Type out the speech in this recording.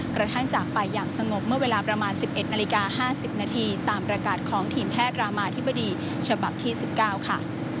กระทั่งจากไปอย่างสงบเมื่อเวลาประมาณ๑๑นาฬิกา๕๐นาทีตามประกาศของทีมแพทย์รามาธิบดีฉบับที่๑๙ค่ะ